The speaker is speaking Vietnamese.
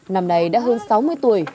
năm này đã hơn sáu mươi tuổi